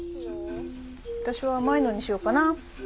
私は甘いのにしようかな。